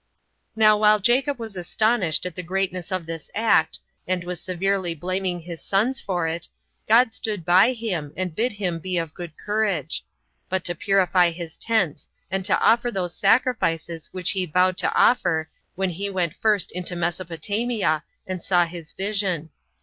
2. Now while Jacob was astonished at the greatness of this act, and was severely blaming his sons for it, God stood by him, and bid him be of good courage; but to purify his tents, and to offer those sacrifices which he had vowed to offer when he went first into Mesopotamia, and saw his vision.